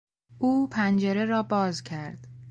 او پنجره را باز کرد.